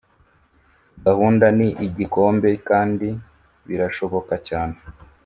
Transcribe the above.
gahunda ni igikombe kandi birashoboka cyane